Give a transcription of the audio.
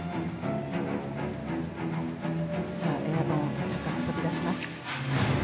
エアボーン高く飛び出します。